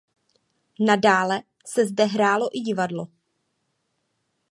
Nadále se zde hrálo i divadlo.